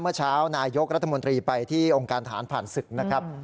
เมื่อเช้านายกรัฐมนตรีไปที่องค์การฐานผ่านศึกนะครับ